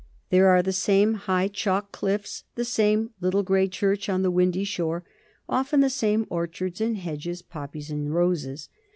There are the same high chalk cliffs, the same "little grey church on the windy shore," often the same orchards and hedges, poppies and roses.